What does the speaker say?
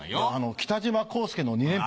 北島康介の２連覇。